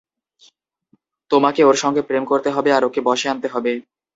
তোমাকে ওর সঙ্গে প্রেম করতে হবে আর ওকে বশে আনতে হবে।